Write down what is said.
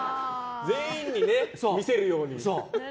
全員に見せるように。